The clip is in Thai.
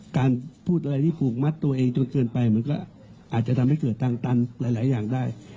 การพูดอะไรที่ผูกมัดตัวเองจนเกินไปมันก็อาจจะทำให้เกิดทางตันหลายอย่างได้